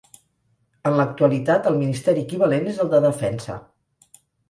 En l'actualitat el ministeri equivalent és el de Defensa.